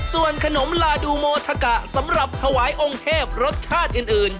ส่วนขนมลาดูโมทะกะสำหรับถวายองค์เทพรสชาติอื่น